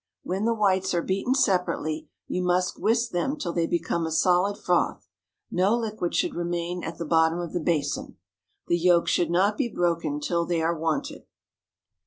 When the whites are beaten separately, you must whisk them till they become a solid froth; no liquid should remain at the bottom of the basin. The yolks should not be broken till they are wanted.